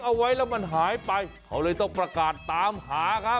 เอาไว้แล้วมันหายไปเขาเลยต้องประกาศตามหาครับ